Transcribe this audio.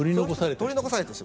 取り残された人。